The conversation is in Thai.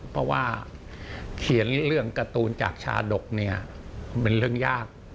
เพราะว่าเขียนเรื่องการ์ตูนจากชาดกเนี่ยเป็นเรื่องยาก